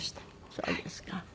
そうですか。